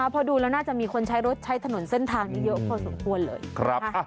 พอดูแล้วน่าจะมีคนใช้คะโนนเส้นทางใหญ่เยอะพอสมควร